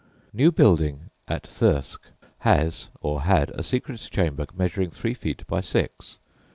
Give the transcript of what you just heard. "New Building" at Thirsk has, or had, a secret chamber measuring three feet by six.